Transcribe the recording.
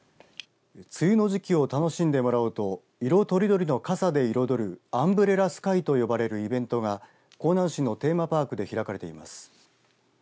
梅雨の時期を楽しんでもらおうと色とりどりの傘で彩るアンブレラスカイと呼ばれるイベントが香南市のテーマパークで開かれています。